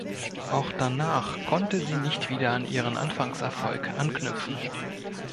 Auch danach konnte sie nicht wieder an ihren Anfangserfolg anknüpfen.